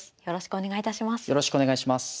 よろしくお願いします。